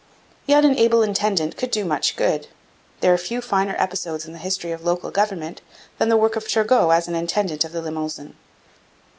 Yet an able intendant could do much good. There are few finer episodes in the history of local government than the work of Turgot as intendant of the Limousin.